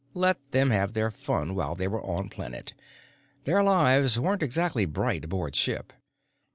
Let them have their fun while they were on planet; their lives weren't exactly bright aboard ship.